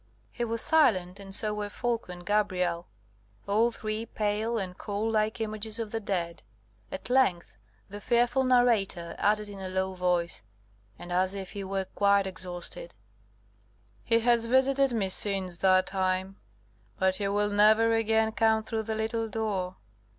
He was silent, and so were Folko and Gabrielle, all three pale and cold like images of the dead. At length the fearful narrator added in a low voice, and as if he were quite exhausted: "He has visited me since that time, but he will never again come through the little door.